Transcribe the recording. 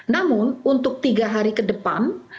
namun untuk tiga hari ke depan